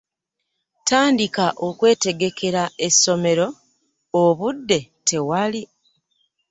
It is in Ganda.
Tandika okwetegekera essomero obudde tewali.